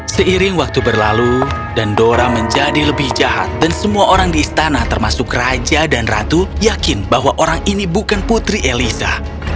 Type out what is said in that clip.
seiring waktu berlalu dan dora menjadi lebih jahat dan semua orang di istana termasuk raja dan ratu yakin bahwa orang ini bukan putri elisa